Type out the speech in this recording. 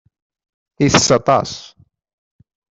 Itess aṭas.